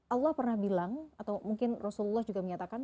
allah pernah bilang atau mungkin rasulullah juga menyatakan